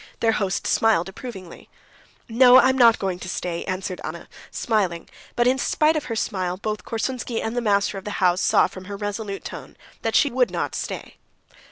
Their host smiled approvingly. "No, I am not going to stay," answered Anna, smiling, but in spite of her smile, both Korsunsky and the master of the house saw from her resolute tone that she would not stay.